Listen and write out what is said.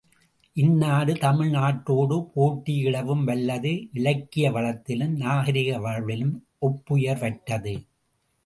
இந்நாடு தமிழ் நாட்டோடு போட்டி இடவும் வல்லது இலக்கிய வளத்திலும் நாகரிக வாழ்விலும் ஒப்புயர்வற்றது.